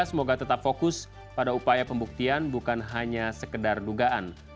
semoga tetap fokus pada upaya pembuktian bukan hanya sekedar dugaan